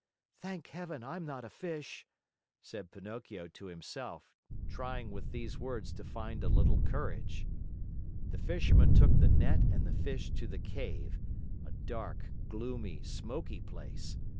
"Thank Heaven, I'm not a fish!" said Pinocchio to himself, trying with these words to find a little courage. The Fisherman took the net and the fish to the cave, a dark, gloomy, smoky place.